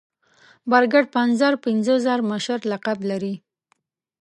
برګډ پنځر پنځه زر مشر لقب لري.